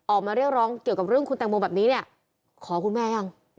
ออกมาเรียกร้องเกี่ยวกับเรื่องคุณแตงโมแบบนี้เนี่ยขอคุณแม่ยัง